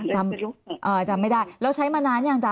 จำไม่ได้ค่ะจำไม่ได้แล้วใช้มานานยังจ๊ะ